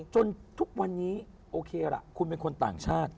จนทุกวันนี้โอเคล่ะคุณเป็นคนต่างชาติ